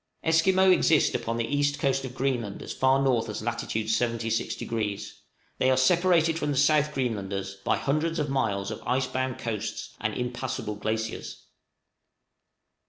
Esquimaux exist upon the east coast of Greenland as far north as lat. 76°; how much farther north is not known. They are separated from the South Greenlanders by hundreds of miles of ice bound coasts and impassable glaciers.